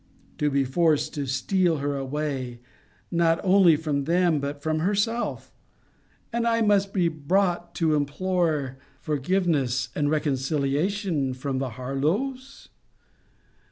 To be forced to steal her away, not only from them, but from herself! And must I be brought to implore forgiveness and reconciliation from the Harlowes?